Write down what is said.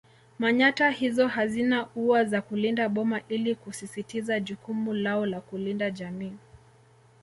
Manyatta hizo hazina ua za kulinda boma ili kusisitiza jukumu lao la kulinda jamii